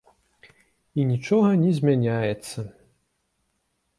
І нічога не змяняецца!